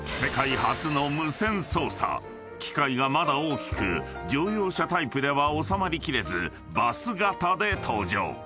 機械がまだ大きく乗用車タイプでは納まり切れずバス型で登場］